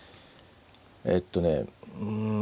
えっとねうんまあ